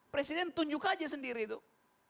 presiden tunjuk aja sendiri tuh